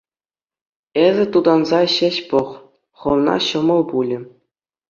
Эсӗ тутанса ҫеҫ пӑх, хӑвна ҫӑмӑл пулӗ.